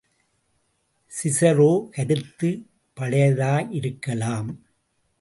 Cicero கருத்து பழையதாயுமிருக்கலாம்.